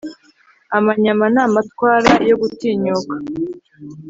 amanyama ni amatwara yo gutinyuka